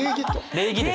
礼儀です。